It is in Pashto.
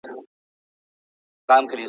زه پرون زده کړه کوم.